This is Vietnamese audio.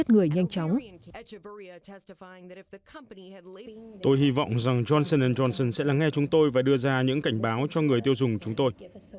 tôi hy vọng rằng johnson johnson sẽ lắng nghe chúng tôi và đưa ra những cảnh báo cho người tiêu dùng chúng tôi